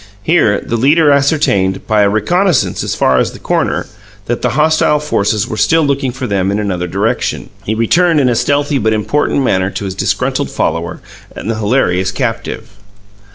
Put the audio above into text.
Here the leader ascertained, by a reconnaissance as far as the corner, that the hostile forces were still looking for them in another direction. He returned in a stealthy but important manner to his disgruntled follower and the hilarious captive.